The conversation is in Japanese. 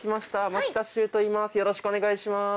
よろしくお願いします。